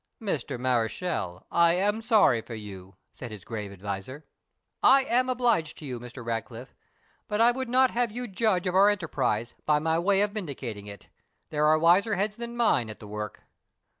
"Mr. Mareschal, I am sorry for you," said his grave adviser. "I am obliged to you, Mr. Ratcliffe; but I would not have you judge of our enterprise by my way of vindicating it; there are wiser heads than mine at the work."